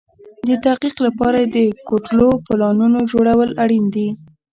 د تحقق لپاره يې د کوټلو پلانونو جوړول اړين دي.